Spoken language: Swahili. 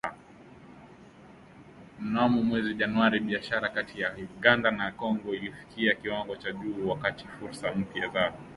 Mnamo mwezi Januari, biashara kati ya Uganda na Kongo ilifikia kiwango cha juu, wakati fursa mpya za masoko zilipofunguka kwa bidhaa za Kampala